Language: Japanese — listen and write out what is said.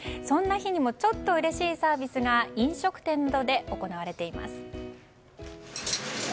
そんな日にもちょっとうれしいサービスが飲食店で行われています。